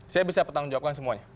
saya bisa bertanggung jawabkan semuanya